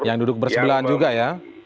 yang duduk bersebelahan juga ya